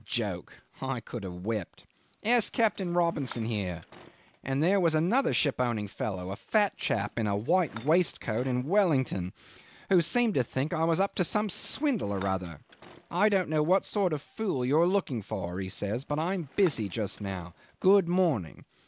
... Joke! I could have wept. Ask Captain Robinson here. ... And there was another shipowning fellow a fat chap in a white waistcoat in Wellington, who seemed to think I was up to some swindle or other. 'I don't know what sort of fool you're looking for,' he says, 'but I am busy just now. Good morning.